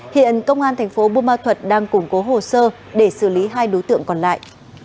hiện công an thành phố bù ma thuật đang củng cố hồ sơ để xử lý hai đối tượng còn lại